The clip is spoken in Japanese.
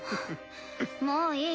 もういい！